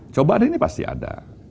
cobaan ini pasti ada